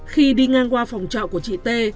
khi đi ngang qua phòng trọ của chị t